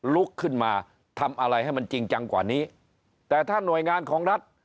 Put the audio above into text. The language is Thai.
ลุกขึ้นมาทำอะไรให้มันจริงจังกว่านี้แต่ถ้าหน่วยงานของรัฐ